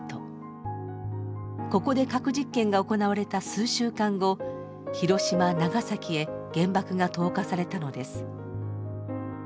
ここで核実験が行われた数週間後広島長崎へ原爆が投下されたのです。